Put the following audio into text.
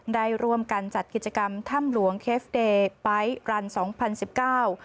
ได้ร่วมกันจัดกิจกรรมถ้ำหลวงเคฟเดย์ไป๊รันสองพันสิบเก้า